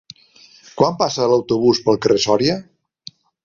Quan passa l'autobús pel carrer Sòria?